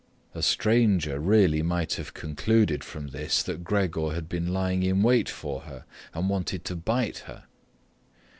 A stranger really might have concluded from this that Gregor had been lying in wait for her and wanted to bite her.